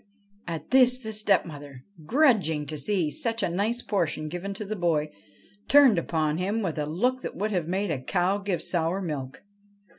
At this the stepmother, grudging to see such a nice portion given to the boy, turned upon him with a look that would have made a cow give sour milk.